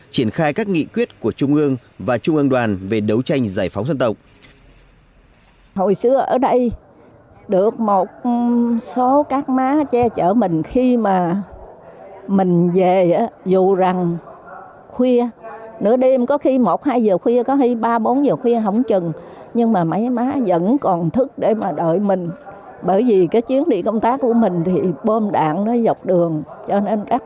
triển khai các nghị quyết của trung ương và trung ương đoàn về đấu tranh giải phóng dân tộc